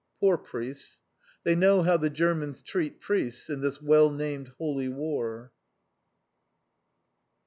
Poor priests! They know how the Germans treat priests in this well named "Holy War!"